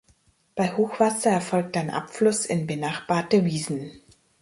Bei Hochwasser erfolgt ein Abfluss in benachbarte Wiesen.